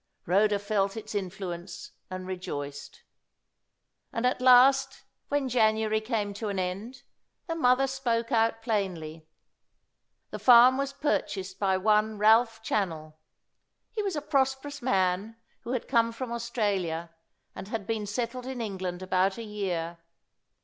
Rhoda felt its influence and rejoiced. And at last, when January came to an end, the mother spoke out plainly. The farm was purchased by one Ralph Channell. He was a prosperous man who had come from Australia, and had been settled in England about a year.